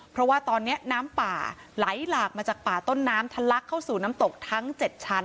เพราะว่าตอนนี้น้ำป่าไหลหลากมาจากป่าต้นน้ำทะลักเข้าสู่น้ำตกทั้ง๗ชั้น